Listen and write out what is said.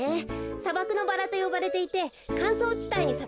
さばくのバラとよばれていてかんそうちたいにさく。